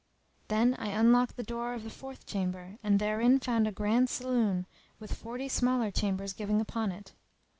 Then I undocked the door of the fourth chamber and therein found a grand saloon with forty smaller chambers giving upon it.